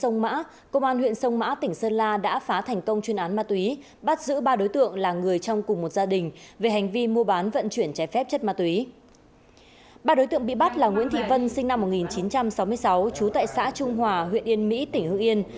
nguyễn thị vân sinh năm một nghìn chín trăm sáu mươi sáu chú tại xã trung hòa huyện yên mỹ tỉnh hương yên